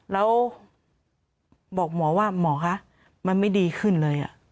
แล้วบอกหมอว่าหมอคะมันไม่ดีขึ้นเลย